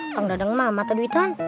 sang dadeng mah mata duitan